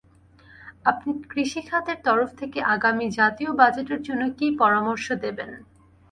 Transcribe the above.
আপনি কৃষি খাতের তরফ থেকে আগামী জাতীয় বাজেটের জন্য কী পরামর্শ দেবেন?